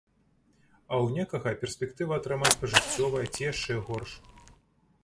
А ў некага перспектыва атрымаць пажыццёвае ці яшчэ горш.